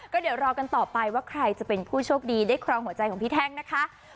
ก็เดี๋ยวรอกันต่อไปว่าใครจะเป็นผู้โชคดีได้ครองหัวใจของพี่แท่งนะคะ